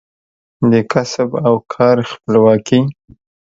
د کسب او کار خپلواکي